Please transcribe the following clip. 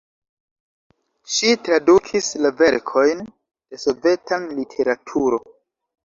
Ŝi tradukis la verkojn de sovetan literaturo.